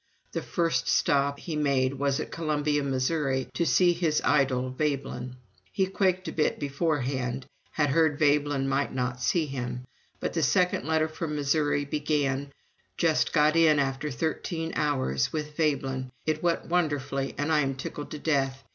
The first stop he made was at Columbia, Missouri, to see his idol Veblen. He quaked a bit beforehand, had heard Veblen might not see him, but the second letter from Missouri began, "Just got in after thirteen hours with Veblen. It went wonderfully and I am tickled to death.